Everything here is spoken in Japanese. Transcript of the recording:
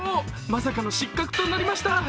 まさかの失格となりました。